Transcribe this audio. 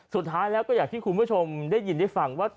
สุดท้ายแล้วก็อย่างที่คุณผู้ชมได้ยินได้ฟังว่า